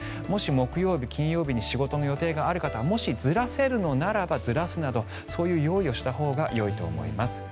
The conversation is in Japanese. もし木曜日、金曜日に仕事の予定がある方もしずらせるならずらすなどそういう用意をしたほうがいいと思います。